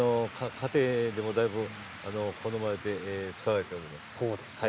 家庭でもだいぶ好まれて使われているんです。